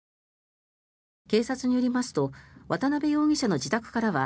警察によりますと渡邉容疑者の自宅からは